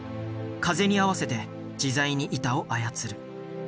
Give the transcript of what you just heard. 風に合わせて自在に板を操る。